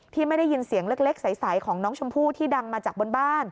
ไม่ได้ยินเสียงเล็กใสของน้องชมพู่ที่ดังมาจากบนบ้าน